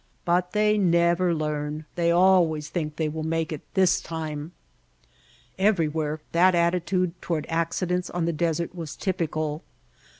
But they never learn. They always think they will make it this time." Everywhere that attitude toward accidents on the desert was typical.